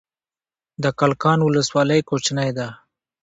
د کلکان ولسوالۍ کوچنۍ ده